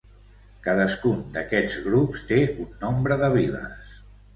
Cadascun d'aquests grups té un nombre de viles.